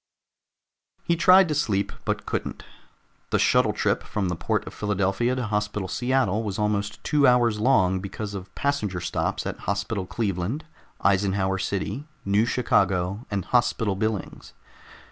He tried to sleep, but couldn't. The shuttle trip from the Port of Philadelphia to Hospital Seattle was almost two hours long because of passenger stops at Hospital Cleveland, Eisenhower City, New Chicago, and Hospital Billings.